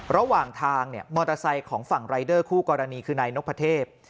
ระหว่างทางเนี่ยมอเตอร์ไซค์ของฝั่งรายเดอร์คู่กรณีคือนายนพเทพ